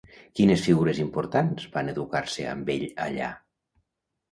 Quines figures importants van educar-se amb ell allà?